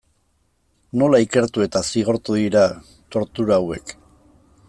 Nola ikertu eta zigortu dira tortura hauek?